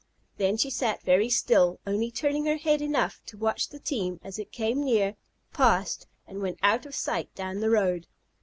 Then she sat very still, only turning her head enough to watch the team as it came near, passed, and went out of sight down the road.